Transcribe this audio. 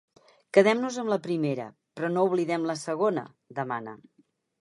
Quedem-nos amb la primera, però no oblidem la segona, demana.